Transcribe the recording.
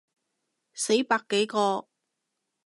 死百幾個